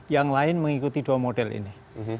yang lain mengikuti dua model ini